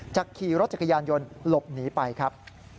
ขี่รถจักรยานยนต์หลบหนีไปครับ